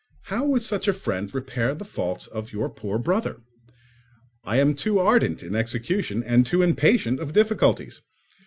How would such a friend repair the faults of your poor brother! I am too ardent in execution and too impatient of difficulties.